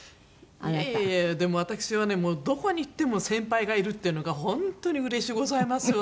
いえいえでも私はねどこに行っても先輩がいるっていうのが本当にうれしゅうございますわ。